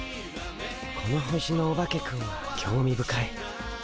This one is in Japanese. この星のオバケくんは興味深い。